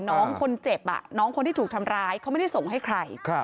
น้องคนเจ็บน้องคนที่ถูกทำร้ายเขาไม่ได้ส่งให้ใคร